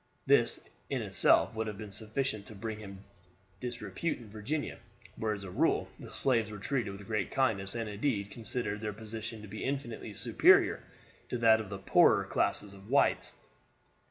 This in itself would have been sufficient to bring him disrepute in Virginia, where as a rule the slaves were treated with great kindness, and indeed considered their position to be infinitely superior to that of the poorer class of whites.